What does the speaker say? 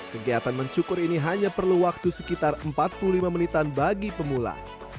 kegiatan mencukur ini hanya perlu waktu sekitar empat puluh lima menitan bagi pemula